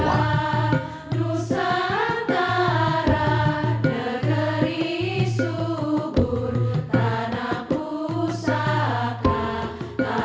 duh santara duh santara